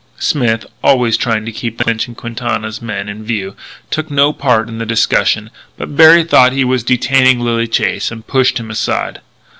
Smith, always trying to keep Clinch and Quintana's men in view, took no part in the discussion; but Berry thought he was detaining Lily Chase and pushed him aside.